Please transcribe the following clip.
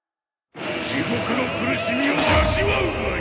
地獄の苦しみを味わうがいい！